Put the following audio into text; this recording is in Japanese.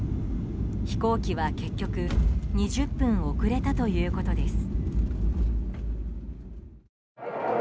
飛行機は結局、２０分遅れたということです。